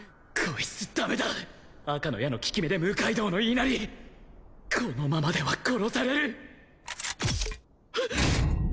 こいつダメだ赤の矢の効き目で六階堂の言いなりこのままでは殺される！